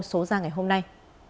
số ra ngày hôm nay